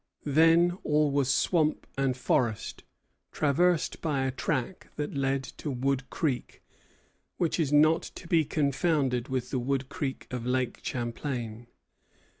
Then all was swamp and forest, traversed by a track that led to Wood Creek, which is not to be confounded with the Wood Creek of Lake Champlain.